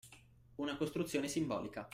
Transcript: Una costruzione simbolica